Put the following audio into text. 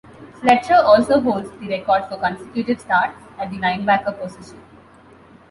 Fletcher also holds the record for consecutive starts at the linebacker position.